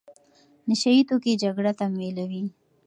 نشه يي توکي جګړه تمویلوي.